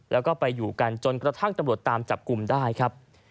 แล้วก็ไปอยู่กันจนกระทั่งตำรวจตามจับกลุ่มได้ครับ